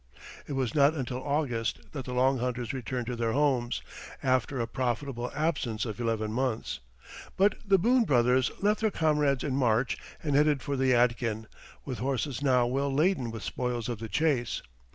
It was not until August that the Long Hunters returned to their homes, after a profitable absence of eleven months. But the Boone brothers left their comrades in March and headed for the Yadkin, with horses now well laden with spoils of the chase.